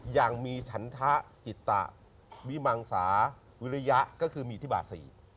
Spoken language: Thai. อย่างมีฉันทะจิตวิมังสาวิริยะก็คือมีอิทธิบาท๔